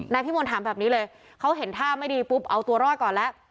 พี่มนต์ถามแบบนี้เลยเขาเห็นท่าไม่ดีปุ๊บเอาตัวรอดก่อนแล้ว